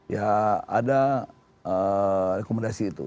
ya ada rekomendasi itu